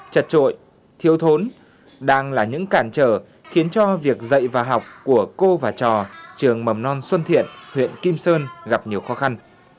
chật trội thiêu thốn đang là những cản trở khiến cho việc dạy và học của cô và trò trường mầm non xuân thiện huyện kim sơn gặp nhiều khó khăn